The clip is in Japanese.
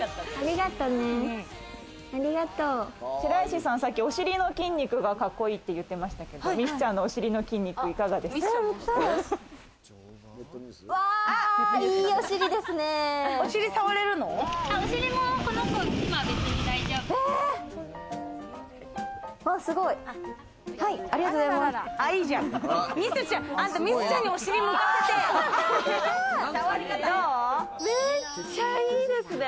白石さん、さっきお尻の筋肉がかっこいいって言ってましたけどミスちゃんのお尻の筋肉いかがいいお尻ですね。